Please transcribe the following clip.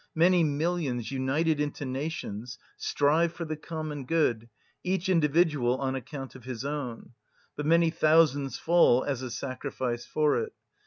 Many millions, united into nations, strive for the common good, each individual on account of his own; but many thousands fall as a sacrifice for it.